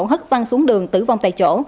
hất văng xuống đường tử vong tại chỗ